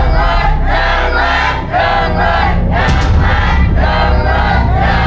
๖หมื่นบาทครับ